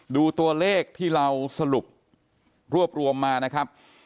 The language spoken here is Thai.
ดูตัวเลขที่เราสรุปรวบรวมมานะครับ